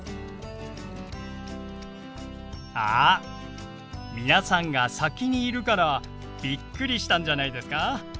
あ皆さんが先にいるからびっくりしたんじゃないですか？